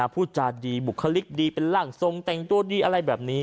พูดจาดีบุคลิกดีเป็นร่างทรงแต่งตัวดีอะไรแบบนี้